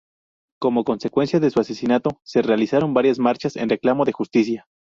Como consecuencia de su asesinato, se realizaron varias marchas en reclamo de justicia.